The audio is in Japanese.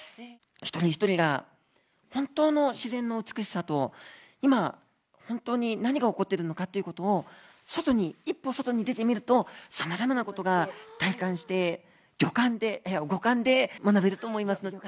一人一人が本当の自然の美しさと今、本当に何が起こっているのかということを外に一歩外に出てみるとさまざまなことが体感してギョ感で、いや五感で学べると思いますので。